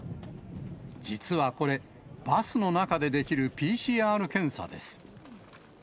実はこれ、バスの中でできるＰＣＲ検査です。